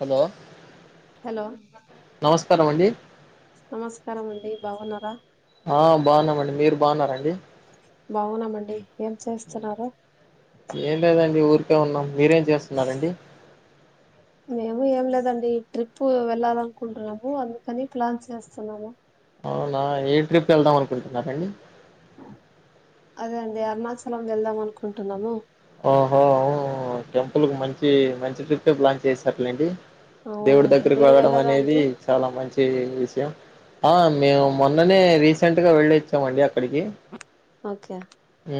Hello hello నమస్కారం అండి నమస్కారం అండి బాగున్నారా ఆ బాగున్నామండి మీరు బాగున్నారా అండి బాగున్నామండి ఏం చేస్తున్నారు కె ఉన్నాం మీరేం చేస్తున్నారండి మేము ఏం లేదండి ఈ ట్రిప్ వెళ్ళాల అనుకుంటున్నాము అందుకని ప్లాన్స్ వేస్తున్నాము అవునా ఏ ట్రిప్ వెళ్దాం అనుకుంటున్నారండి అదే అండి అరుణాచలం వెళ్దాం అనుకుంటున్నాము ఓహో టెంపుల్ కు మంచి మంచి ట్రిప్పే రప్లాన్ చేసారులేండి దేవుడి అవునండి దగ్గరకి మీరు వెళ్ళడం వెళ్ళారా అనేది అండి చాలా మంచి చి విషయం ఆ మేము మొన్ననే రీసెంట్ గా వెళ్ళొచ్చామండి అక్కడికి ఓకే ఊ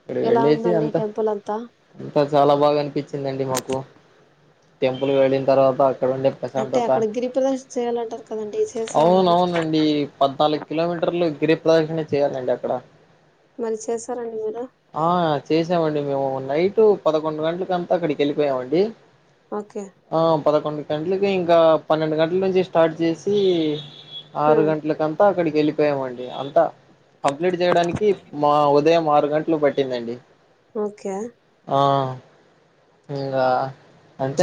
ఇక్కడ ఎలా వెళ్ళేసి ఉందండి అంత టెంపుల్ అంతా అంత చాలా బాగా అనిపించిందండి మాకు టెంపుల్ వెళ్ళిన తర్వాత అక్కడ ఉండే అంటే ప్రశాంతత అక్కడ గిరి ప్రదక్షిణ చేయాలంటారు కదండి చేసారా అవున మరి అవునండి పదనాలుగు కిలోమీటర్లు గిరి ప్రదర్శన చేయ్యాలండి అక్కడ మళ్ళీ చేస్సారండి మీరు చేసామండి మేము నైటు పదకొండు గంటలకి అంతా అక్కడికి వెళ్ళిపోయామండి ఓకే ఆ పదకొం గంటలకి ఇంకా పన్నెండు గంటల నుంచి స్టార్ట్ జేసి ఆరు ఉమ్, గంట్లలకు అంతా అక్కడి వెళ్ళిపోయామండి అంతా కంప్లీట్ జేయడానికి ఉదయం ఆరు గంటలు పట్టిందండి ఓకే ఆ ఇంగా అంటే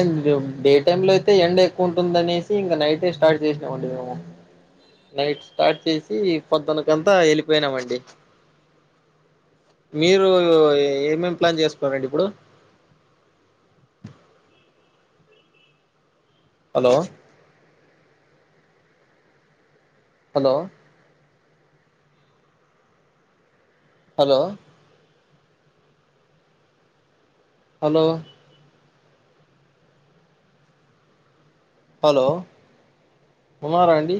డే టైమ్ లో అయితే ఎండ ఎక్కువ ఉంటుందనేసి ఇంకా నైటే స్టార్ట్ చేసినామండి మేము నైట్ స్టార్ట్ చేసి పద్దునకంతా వెళ్ళిపోయినామండి. మీరు ఏమేమి ప్లాన్ చేసుకురండి ఇప్పుడు, hello hello hello hello hello ఉనార అండి